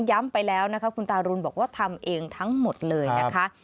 ไปแล้วนะคะคุณตารุณบอกว่าทำเองทั้งหมดเลยนะคะ